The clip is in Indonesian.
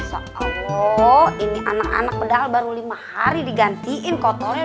soko ini anak anak padahal baru lima hari digantiin kotornya